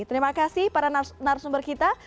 terima kasih para narasumber kita